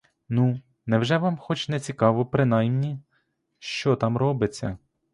Ну, невже вам хоч не цікаво принаймні, що там робиться?